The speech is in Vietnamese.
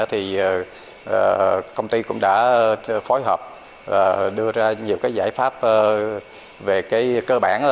thì công ty cũng đã phối hợp đưa ra nhiều giải pháp về cơ bản